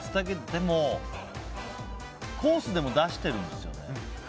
でも、コースでも出してるんですよね。